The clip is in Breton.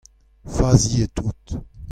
Faziet out.